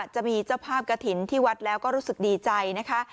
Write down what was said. จะมีเจ้าภาพกระถิ่นที่วัดแล้วก็รู้สึกดีใจนะคะ